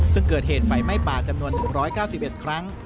ซึ่งเกิดเหตุไฟไหม้ป่าจำนวน๑๙๑ครั้ง